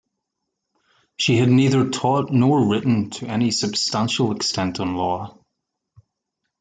She had neither taught nor written to any substantial extent on law.